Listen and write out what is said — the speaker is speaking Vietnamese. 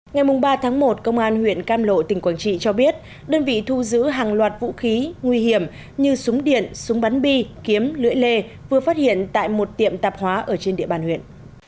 ngày ba tháng một công an huyện cam lộ tỉnh quảng trị cho biết đơn vị thu giữ hàng loạt vũ khí nguy hiểm như súng điện súng bắn bi kiếm lưỡi lê vừa phát hiện tại một tiệm tạp hóa ở trên địa bàn huyện